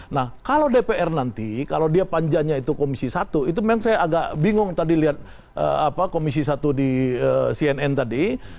nah kalau dpr nanti kalau dia panjanya itu komisi satu itu memang saya agak bingung tadi lihat komisi satu di cnn tadi